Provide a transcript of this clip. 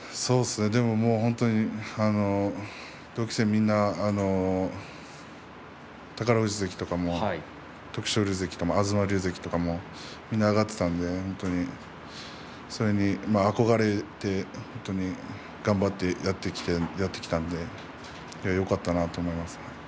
でも本当に同期生はみんな宝富士関とかも徳勝龍関とか東龍関とかみんな上がっていたのでそれに憧れて頑張ってやってきてよかったなと思いますね。